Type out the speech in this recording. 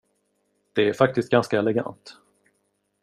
Det är faktiskt ganska elegant.